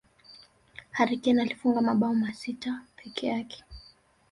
harry kane alifunga mabao sita pekee